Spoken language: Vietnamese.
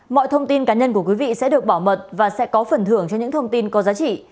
mọi thông tin cá nhân của quý vị sẽ được bảo mật và sẽ có phần thưởng cho những thông tin có giá trị